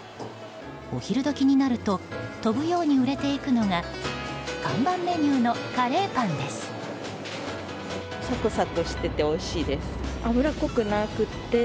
お昼時になると飛ぶように売れていくのが看板メニューのカレーパンです。